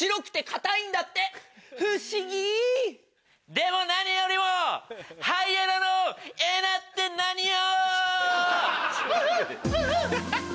でも何よりもハイエナの「エナ」って何よ！